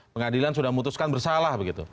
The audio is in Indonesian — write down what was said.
pengadilan sudah memutuskan bersalah begitu